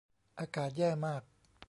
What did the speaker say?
อากาศแย่มาก